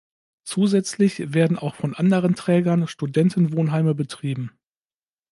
Zusätzlich werden auch von anderen Trägern Studentenwohnheime betrieben.